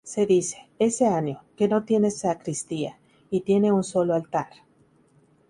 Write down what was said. Se dice, ese año, que no tiene sacristía, y tiene un solo altar.